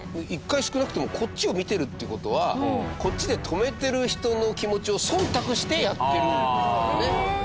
１回、少なくともこっちを見てるっていう事はこっちで止めてる人の気持ちを忖度して、やってるんだよね。